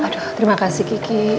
aduh terima kasih kiki